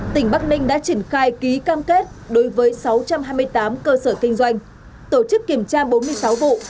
tỉnh bắc ninh đã triển khai ký cam kết đối với sáu trăm hai mươi tám cơ sở kinh doanh tổ chức kiểm tra bốn mươi sáu vụ